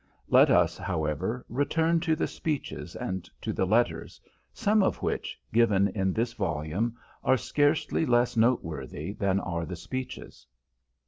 Let us, however, return to the speeches and to the letters, some of which, given in this volume, are scarcely less noteworthy than are the speeches.